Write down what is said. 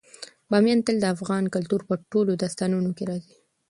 بامیان تل د افغان کلتور په ټولو داستانونو کې راځي.